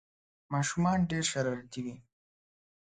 ماشومان ډېر شرارتي وي